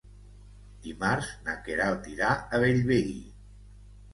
Dimarts na Queralt irà a Bellvei.